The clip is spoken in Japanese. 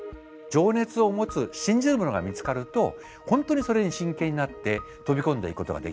情熱を持つ信じるものが見つかると本当にそれに真剣になって飛び込んでいくことができます。